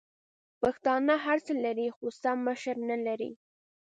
پښتانه هرڅه لري خو سم مشر نلري!